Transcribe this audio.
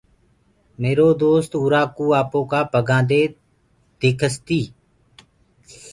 ميرو دوست اُرآ ڪوُ آپو ڪآ پگآندي توڪس تي۔